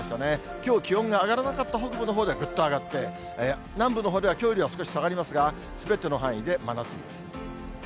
きょう気温が上がらなかった北部のほうではぐっと上がって、南部のほうではきょうより少し下がりますが、すべての範囲で真夏日です。